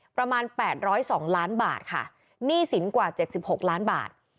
ประมาณ๘๐๒ล้านบาทค่ะหนี้สินกว่า๗๖ล้านบาท